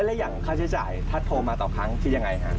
แล้วอย่างค่าใช้จ่ายถ้าโทรมาต่อครั้งคือยังไงฮะ